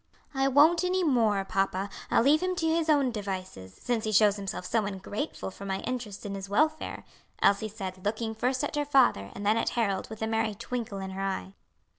"I won't any more, papa; I'll leave him to his own devices, since he shows himself so ungrateful for my interest in his welfare," Elsie said, looking first at her father and then at Harold with a merry twinkle in her eye.